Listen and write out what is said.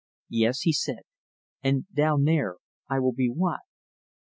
"Yes," he said, "and down there I will be what?"